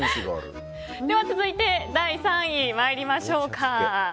続いて、第３位に参りましょうか。